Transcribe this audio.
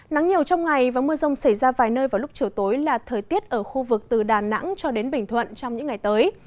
nắng nhiều trong ngày và mưa rông xảy ra vài nơi vào lúc chiều tối là thời tiết ở khu vực từ đà nẵng cho đến bình thuận trong những ngày tới